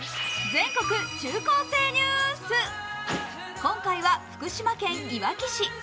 今回は福島県いわき市。